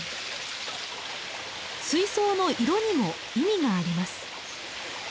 水槽の色にも意味があります。